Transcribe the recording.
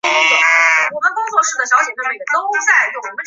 修蕨为水龙骨科修蕨属下的一个种。